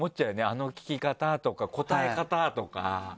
あの聞き方とか答え方とか。